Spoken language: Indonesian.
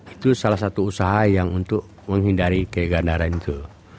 itu salah satu usaha yang untuk menghindari kegandaran itu